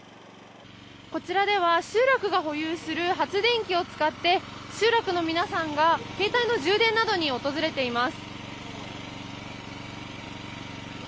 こちらでは集落が保有する発電機を使って集落の皆さんが携帯の充電などに訪れています。